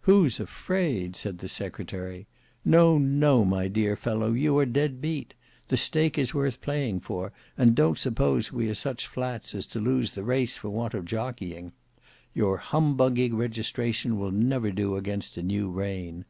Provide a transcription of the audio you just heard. "Who's afraid!" said the secretary. "No, no, my dear fellow, you are dead beat; the stake is worth playing for, and don't suppose we are such flats as to lose the race for want of jockeying. Your humbugging registration will never do against a new reign.